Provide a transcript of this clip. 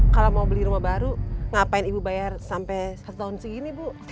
kalau mau beli rumah baru ngapain ibu bayar sampai seratus tahun segini bu